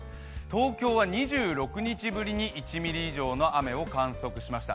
東京は２６日ぶりに１ミリ以上の雨を観測しました。